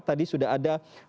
tadi sudah ada